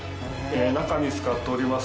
中に使っております